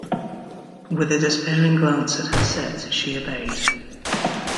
With a despairing glance at her set, she obeyed.